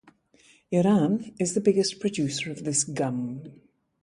Iran is the biggest producer of this gum.